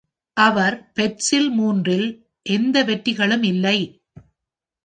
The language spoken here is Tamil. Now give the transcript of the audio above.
அவர் பேட்ஸில் மூன்றில் எந்த வெற்றிகளும் இல்லை.